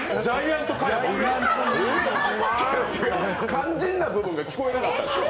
肝心な部分が聞こえなかったんよ！